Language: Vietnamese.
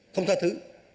không tha thứ